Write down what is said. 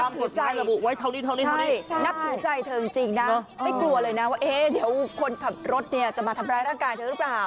นับถือใจเธอจริงนะไม่กลัวเลยนะว่าคนขับรถเนี่ยจะมาทำร้ายร่างกายเธอหรือเปล่า